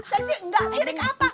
sesi enggak sirik apa